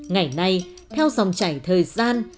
ngày nay theo dòng trải thời gian